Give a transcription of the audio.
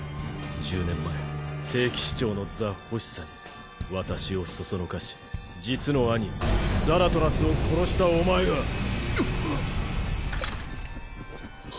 １０年前聖騎士長の座欲しさに私を唆し実の兄ザラトラスを殺したお前が！あっ。